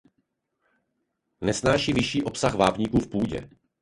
Nesnáší vyšší obsah vápníku v půdě.